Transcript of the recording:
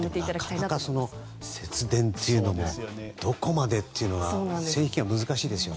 なかなか節電というのもどこまでかという線引きが難しいですよね。